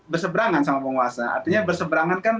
berseberangan sama penguasa